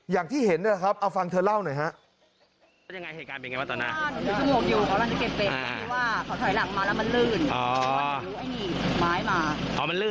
อย่างที่เห็นนะครับเอาฟังเธอเล่าหน่อยฮะ